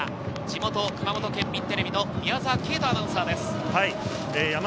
井本熊本県民テレビの宮澤奎太アナウンサーです。